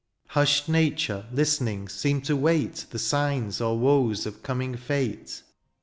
Hushed nature^ listenings seemed to wait The signs or woes of coming fate.